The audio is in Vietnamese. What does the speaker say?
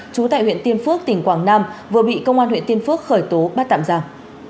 trú tại huyện tiên phước tỉnh quảng nam vừa bị công an huyện tiên phước khởi tố bắt tạm giam